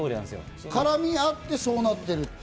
絡み合ってそうなっている。